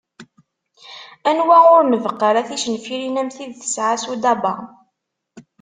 Anwa ur nbeqqu ara ticenfirin am tid tesɛa Sudaba.